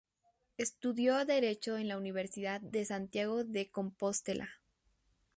Estudió Derecho en la Universidad de Santiago de Compostela.